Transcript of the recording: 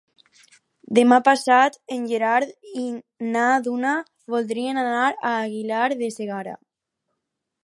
Demà passat en Gerard i na Duna voldrien anar a Aguilar de Segarra.